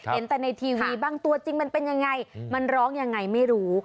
เห็นแต่ในทีวีบ้างตัวจริงมันเป็นยังไงมันร้องยังไงไม่รู้